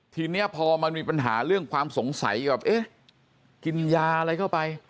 ทีนี้พอมันมีปัญหาเรื่องความสงสัยแบบเอ๊ะกินยาอะไรเข้าไป